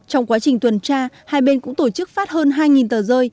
trong quá trình tuần tra hai bên cũng tổ chức phát hơn hai tờ rơi